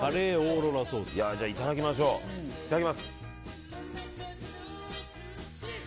いただきます。